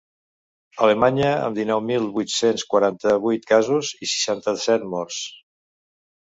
Alemanya, amb dinou mil vuit-cents quaranta-vuit casos i seixanta-set morts.